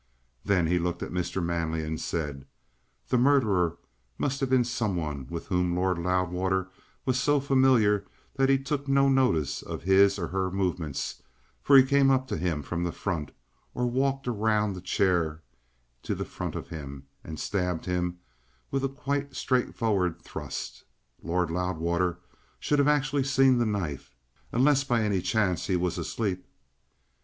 Then he looked at Mr. Manley and said: "The murderer must have been some one with whom Lord Loudwater was so familiar that he took no notice of his or her movements, for he came up to him from the front, or walked round the chair to the front of him, and stabbed him with a quite straightforward thrust. Lord Loudwater should have actually seen the knife unless by any chance he was asleep."